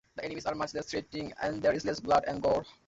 The enemies are much less threatening, and there is less blood and gore.